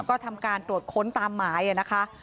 ก็ทำการตรวจค้นตามหมายนะคะ